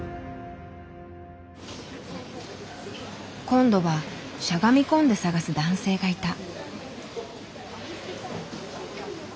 今度はしゃがみ込んで探す男性がいた。